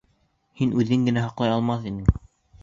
Һин үҙең генә һаҡлай алмаҫ инең.